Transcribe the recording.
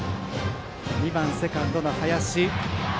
２番セカンド、林。